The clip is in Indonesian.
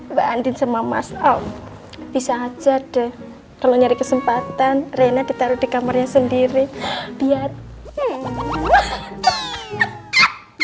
mbak andin sama mas om bisa aja deh kalau nyari kesempatan rena ditaruh di kamarnya sendiri biar